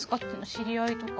知り合いとか。